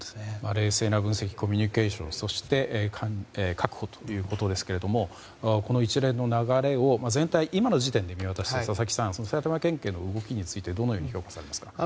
冷静な分析コミュニケーションそして確保ということですけれどもこの一連の流れを今の時点で見渡して佐々木さん埼玉県警の動きについてどのように評価されますか？